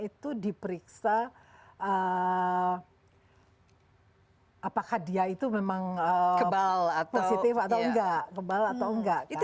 itu diperiksa apakah dia itu memang positif atau enggak